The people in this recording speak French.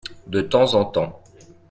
De temps en temps.